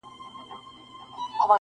شپې ته راغله انګولا د بلاګانو-